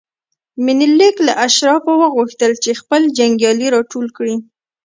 منیلیک له اشرافو وغوښتل چې خپل جنګیالي راټول کړي.